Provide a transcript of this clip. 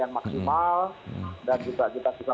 yang maksimal dan kita